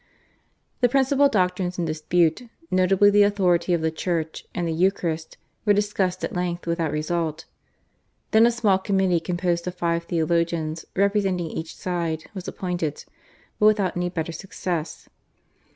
The principal doctrines in dispute, notably the authority of the Church and the Eucharist, were discussed at length without result. Then a small committee, composed of five theologians representing each side, was appointed, but without any better success.